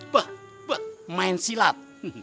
bek bek main silat